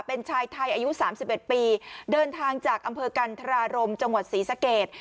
เป็นชายไทยอายุ๓๑ปีเดินทางจากอำเภอกันธรารมจังหวัดศรีสะเกด